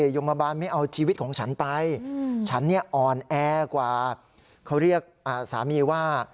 โรงพยาบาลไม่เอาชีวิตของฉันไปฉันเนี่ยอ่อนแอกว่าเขาเรียกสามีว่า